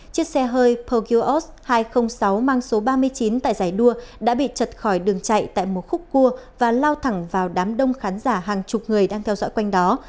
chiếc xe hơi pokyos hai trăm linh sáu mang số ba mươi chín tại giải đua đã bị chật khỏi đường chạy tại một khúc cua và lao thẳng vào đám đông khán giả hàng chục người đang theo dõi quanh đó